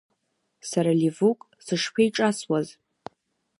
Сара Ливук сышԥеиҿасуаз.